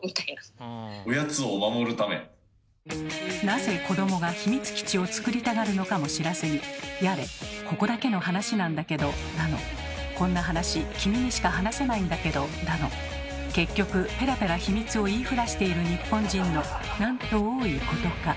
なぜ子どもが秘密基地を作りたがるのかも知らずにやれ「ここだけの話なんだけど」だの「こんな話君にしか話せないんだけど」だの結局ペラペラ秘密を言い触らしている日本人のなんと多いことか。